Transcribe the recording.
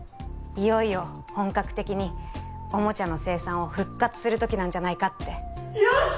いよいよ本格的におもちゃの生産を復活する時なんじゃないかってよし！